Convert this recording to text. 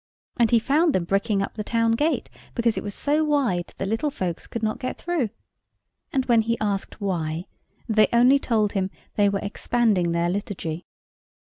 And he found them bricking up the town gate, because it was so wide that little folks could not get through. And, when he asked why, they told him they were expanding their liturgy.